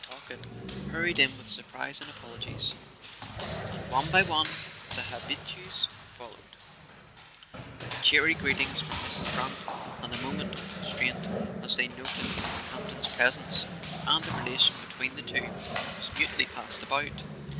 Talkett hurried in with surprise and apologies; and one by one the habitues followed, with cheery greetings for Mrs. Brant and a moment of constraint as they noted Campton's presence, and the relation between the two was mutely passed about.